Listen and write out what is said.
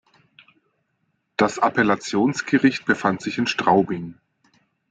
Das Appellationsgericht befand sich in Straubing.